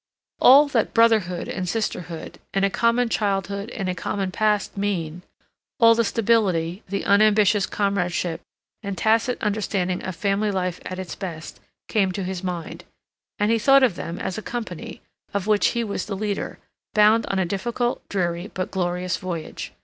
All that brotherhood and sisterhood, and a common childhood in a common past mean, all the stability, the unambitious comradeship, and tacit understanding of family life at its best, came to his mind, and he thought of them as a company, of which he was the leader, bound on a difficult, dreary, but glorious voyage.